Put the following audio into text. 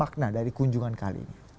makna dari kunjungan kali ini